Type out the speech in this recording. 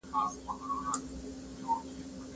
روهېله له روښان سره ښونځې ته په بایسکل ځی.